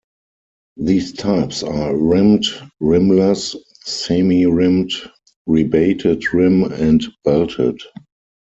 These types are rimmed, rimless, semi-rimmed, rebated rim, and belted.